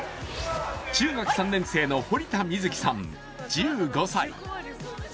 中学３年生の堀田みず希さん、１５歳。